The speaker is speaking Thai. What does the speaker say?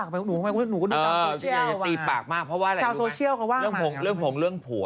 ไม่ได้คุยกันมานานมากแล้ว